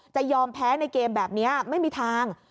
จะยอมแพ้ในเกมแบบนี้ไม่มีทาง